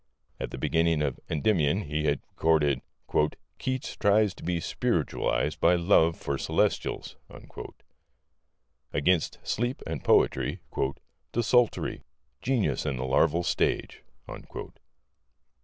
At the beginning of Endymion he recorded: "Keats tries to be spiritualized by love for celestials." Against Sleep and Poetry: "Desultory. Genius in the larval state."